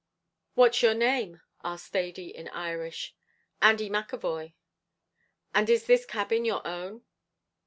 "What's your name?" asked Thady, in Irish. "Andy McEvoy." "And is this cabin your own?"